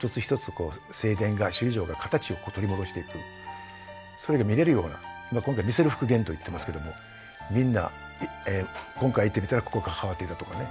こう正殿が首里城が形を取り戻していくそれが見れるような今回見せる復元といってますけどもみんな今回行ってみたらここが変わっていたとかね